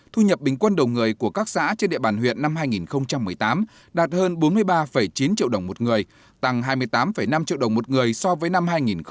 thu nhập bình quân đầu người của các xã trên địa bàn huyện năm hai nghìn một mươi tám đạt hơn bốn mươi ba chín triệu đồng một người tăng hai mươi tám năm triệu đồng một người so với năm hai nghìn một mươi bảy